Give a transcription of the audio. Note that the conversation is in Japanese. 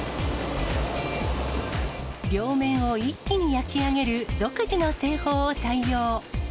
両面を一気に焼き上げる独自の製法を採用。